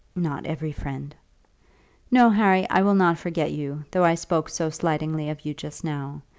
"Not every friend." "No, Harry, I will not forget you, though I spoke so slightingly of you just now.